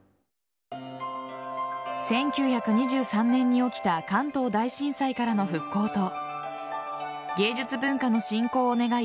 １９２３年に起きた関東大震災からの復興と芸術文化の振興を願い